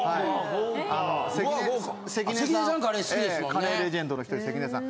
カレーレジェンドのひとり関根さん。